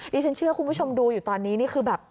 ดิฉันเชื่อคุณผู้ชมดูอยู่ตอนนี้นี่คือแบบ